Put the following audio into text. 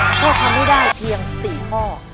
เข้าทางไม่ได้เพียง๔ข้อ